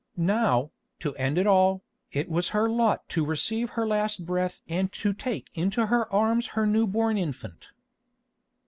Now, to end it all, it was her lot to receive her last breath and to take into her arms her new born infant.